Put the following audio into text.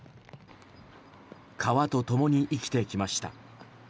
川とともに生きてきました。